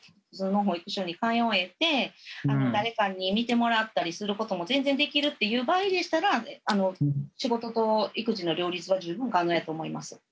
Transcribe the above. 普通の保育所に通えて誰かにみてもらったりすることも全然できるっていう場合でしたらあの仕事と育児の両立は十分可能やと思います。